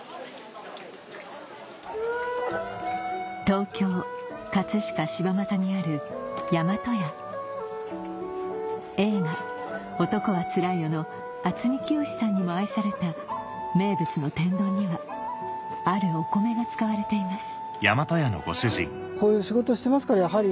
東京・飾柴又にある大和家映画『男はつらいよ』の渥美清さんにも愛された名物の天丼にはあるおコメが使われています